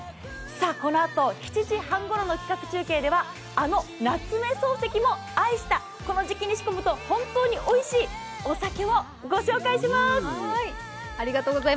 このあと７時半ごろの企画中継ではあの夏目漱石も愛したこの時期に仕込むと本当においしいお酒をご紹介します。